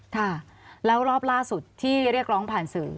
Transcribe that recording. ค่ะแล้วรอบล่าสุดที่เรียกร้องผ่านสื่อ